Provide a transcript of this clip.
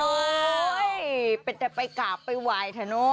โอ๊ยเป็นใจไปกราบไปไหว้เหรอ